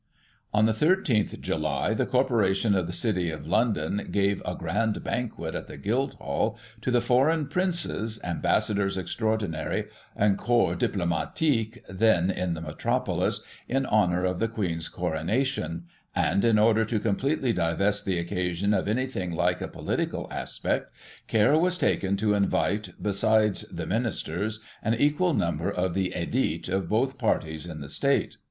On the 13th July the Corporation of the City of London gave a grand banquet, at the Guildhall, to the foreign Princes, Ambassadors extraordinary, and Corps Diplomatique, then in the metropolis, in honour of the Queen's Coronation ; and in order to completely divest the occasion of anything like a political aspect, care was taken to invite, besides the Ministers, an equal niunber of the ilite of both parties in the State.